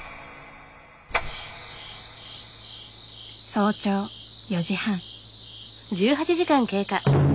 早朝４時半。